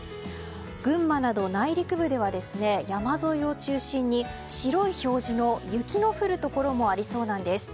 群馬など内陸部では山沿いを中心に白い表示の雪の降るところもありそうなんです。